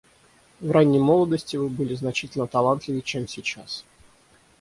В ранней молодости Вы были значительно талантливее, чем сейчас.